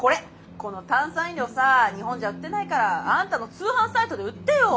この炭酸飲料さ日本じゃ売ってないからあんたの通販サイトで売ってよ！